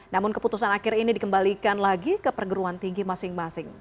namun keputusan akhir ini dikembalikan lagi ke perguruan tinggi masing masing